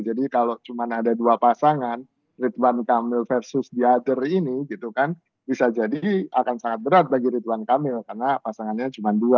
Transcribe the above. jadi kalau cuma ada dua pasangan ridwan kamil versus the other ini gitu kan bisa jadi akan sangat berat bagi ridwan kamil karena pasangannya cuma dua